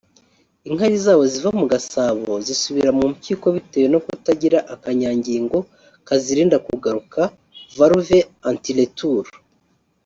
inkari zabo ziva mu gasabo zisubira mu mpyiko bitewe no kutagira akanyangingo kazirinda kugaruka (valve anti-retour)